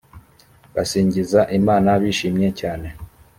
basingiza imana bishimye cyane